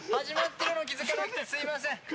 始まってるの気付かなくてすみません。